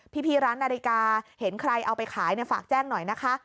พี่ร้านนาฬิกาเห็นใครเอาไปขายฝากแจ้งหน่อยนะคะ